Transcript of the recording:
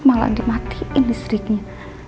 malah dimatikan listriknya